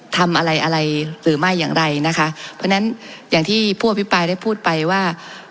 ทำอะไรอะไรหรือไม่อย่างไรนะคะเพราะฉะนั้นอย่างที่ผู้อภิปรายได้พูดไปว่า